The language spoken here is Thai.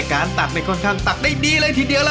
กลับบ้านทันที